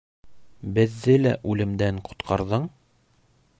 Беҙҙе лә үлемдән ҡотҡарҙың?